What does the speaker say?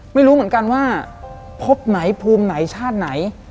ไม่รู้เหมือนกันว่าพบไหนภูมิไหนชาติไหน